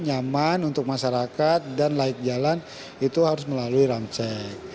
nyaman untuk masyarakat dan layak jalan itu harus melalui ramcek